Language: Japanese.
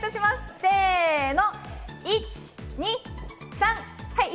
せの！